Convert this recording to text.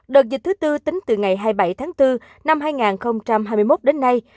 đợt dịch thứ tư tính từ ngày hai mươi bảy tháng bốn năm hai nghìn hai mươi một đến nay